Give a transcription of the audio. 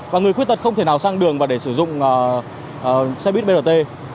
và người khuyết tật không thể nào sang đường và để sử dụng xe buýt brt